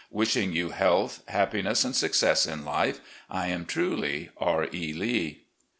Wishing you health, happiness, and success in life, I am truly, "R. E. Lee."